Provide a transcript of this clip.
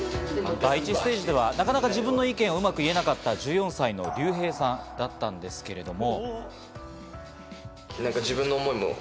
第１ステージではなかなか自分の意見をうまく言えなかった１４歳のリュウヘイさんだったんですけれども。